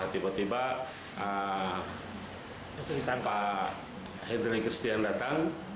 tiba tiba pak hendrik kristian datang